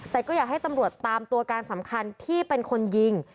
แต่ก็อยากให้ตำรวจตามตัวการสำคัญที่เป็นคนยิง